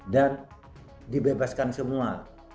dan dibebaskan semua